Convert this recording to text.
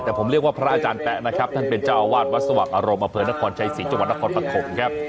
แต่ผมเรียกว่าพระอาจารย์แป๊ะนะครับท่านเป็นเจ้าอาวาสวัดสว่างอารมณ์อำเภอนครชัยศรีจังหวัดนครปฐมครับ